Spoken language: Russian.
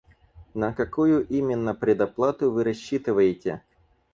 На какую именно предоплату вы рассчитываете?